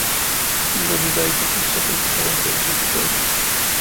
He is an editor for Social Choice and Welfare.